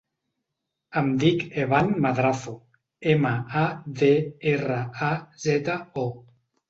Em dic Evan Madrazo: ema, a, de, erra, a, zeta, o.